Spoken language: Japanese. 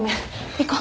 行こう。